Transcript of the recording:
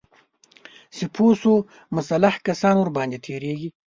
چې پوه شو مسلح کسان ورباندې تیریږي